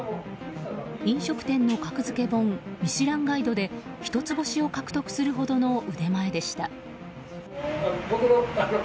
飲食店の格付け本「ミシュランガイド」で一つ星を獲得するほどの腕前でした。